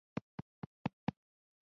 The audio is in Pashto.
زه د هیواد ابادۍ ته ژمن یم.